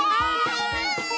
はい。